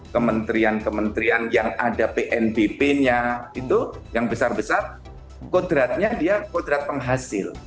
kementerian kementerian yang ada pnbp nya itu yang besar besar kodratnya dia kodrat penghasil